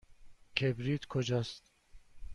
کبریت کجاست؟